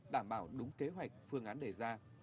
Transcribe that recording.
đảm bảo đúng kế hoạch phương án đề ra